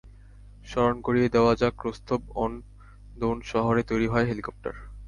স্মরণ করিয়ে দেওয়া যাক, রোস্তভ অন দোন শহরে তৈরি হয় হেলিকপ্টার।